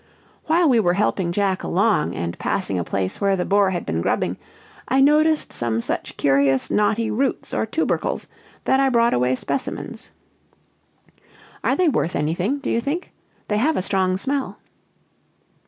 "While we were helping Jack along, and passing a place where the boar had been grubbing, I noticed some such curious knotty roots or tubercles, that I brought away specimens. Are they worth anything, do you think? they have a strong smell."